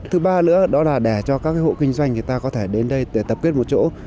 thứ ba nữa đó là để cho các hộ kinh doanh người ta có thể đến đây để tập kết một chỗ